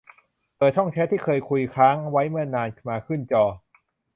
เปิดช่องแชตที่เคยคุยค้างไว้เมื่อนานมาขึ้นจอ